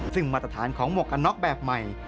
ซึ่งมาตรฐานของหมวกกันน็อกแบบใหม่